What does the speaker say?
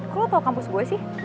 kok lo tau kampus gue sih